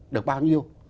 được bao nhiêu